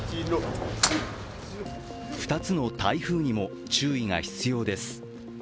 ２つの台風にも注意が必要です。